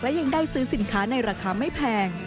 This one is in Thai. และยังได้ซื้อสินค้าในราคาไม่แพง